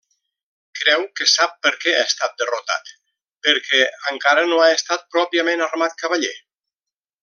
Creu que sap perquè ha estat derrotat: perquè encara no ha estat pròpiament armat cavaller.